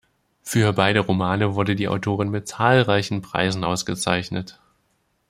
Für beide Romane wurde die Autorin mit zahlreichen Preisen ausgezeichnet.